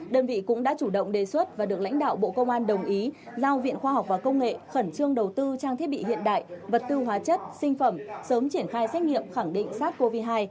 đơn vị cũng đã chủ động đề xuất và được lãnh đạo bộ công an đồng ý giao viện khoa học và công nghệ khẩn trương đầu tư trang thiết bị hiện đại vật tư hóa chất sinh phẩm sớm triển khai xét nghiệm khẳng định sars cov hai